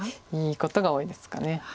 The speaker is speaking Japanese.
いいことが多いですかね。